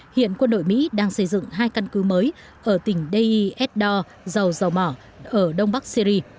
hiện quân đội mỹ đang xây dựng hai căn cứ mới ở tỉnh deir ezzor dầu dầu mỏ ở đông bắc syri